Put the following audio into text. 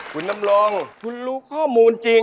คุณน้ำรองคุณรู้ข้อมูลจริง